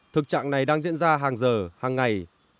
thực trạng này đang diễn ra hàng giờ hàng ngày